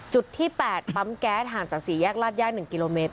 จุดที่๘ปั๊มแก๊สห่างจากศรีแยกราชย่าย๑กิโลเมตร